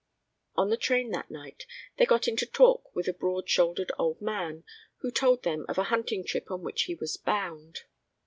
On the train that night they got into talk with a broad shouldered old man who told them of a hunting trip on which he was bound.